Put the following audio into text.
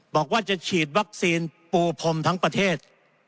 บอกว่าจะฉีดวัคซีนปูพรมทั้งประเทศ